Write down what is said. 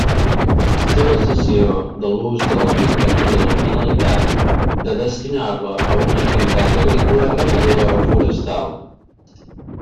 Si la cessió de l'ús de la finca no té la finalitat de destinar-la a una activitat agrícola, ramadera o forestal.